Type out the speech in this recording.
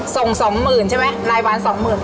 ส่ง๒๐๐๐๐บาทใช่ไหมรายวัน๒๐๐๐๐บาท